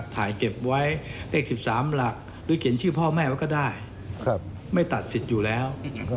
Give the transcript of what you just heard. ถ่ายเก็บไว้เลข๑๓หลักหรือเขียนชื่อพ่อแม่ไว้ก็ได้ไม่ตัดสิทธิ์อยู่แล้ว